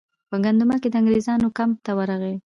په ګندمک کې د انګریزانو کمپ ته ورغی.